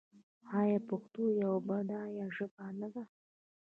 آیا پښتو یوه بډایه ژبه نه ده؟